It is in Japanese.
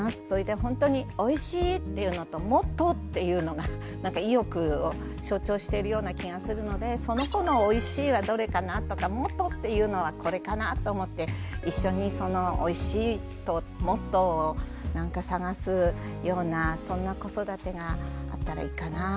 それでほんとに「おいしい」っていうのと「もっと」っていうのがなんか意欲を象徴しているような気がするのでその子の「おいしい」はどれかなとか「もっと」っていうのはこれかなと思って一緒にその「おいしい」と「もっと」をなんか探すようなそんな子育てがあったらいいかな。